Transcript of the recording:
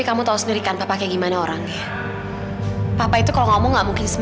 kamu ingat kan